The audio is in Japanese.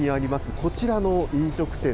こちらの飲食店。